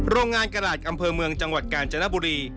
โรงงานกระดาษอำเภอเมืองจังหวัดกาญจนบุรี